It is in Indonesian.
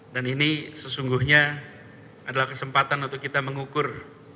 dan ini sesungguhnya adalah kesempatan untuk kita mengukur